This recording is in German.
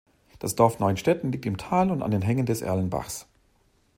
Das Dorf Neunstetten liegt im Tal und an den Hängen des Erlenbachs.